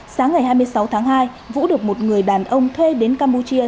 sáng ngày hai mươi sáu tháng hai vũ được một người đàn ông thuê đến campuchia